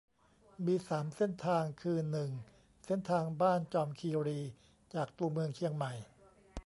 มี สาม เส้นทาง คือ หนึ่ง เส้นทางบ้านจอมคีรี จากตัวเมืองเชียงใหม่